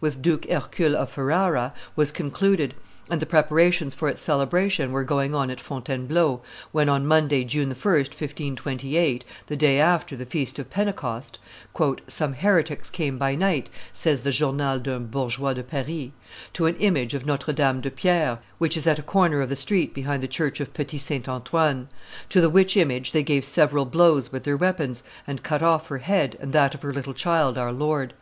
with Duke Hercules of Ferrara, was concluded, and the preparations for its celebration were going on at Fontainebleau, when, on Monday, June 1, 1528, the day after the Feast of Pentecost, "some heretics came by night," says the Journal d'un Bourgeois de Paris, "to an image of Notre Dame de Pierre, which is at a corner of the street behind the church of Petit St. Antoine; to the which image they gave several blows with their weapons, and cut off her head and that of her little child, Our Lord.